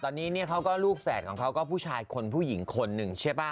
ตอนนี้เนี่ยเขาก็ลูกแฝดของเขาก็ผู้ชายคนผู้หญิงคนหนึ่งใช่ป่ะ